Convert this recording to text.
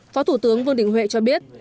phó thủ tướng vương đình huệ cho biết